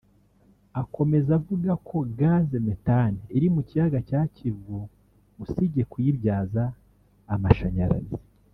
Akomeza avuga ko Gas Methane iri mu kiyaga cya Kivu usibye kuyibyaza amashanyarazi